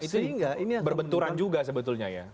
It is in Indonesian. itu berbenturan juga sebetulnya ya